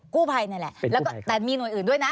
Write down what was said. กู้ภัยเนี่ยแหละแต่มีหน่วยอื่นด้วยนะ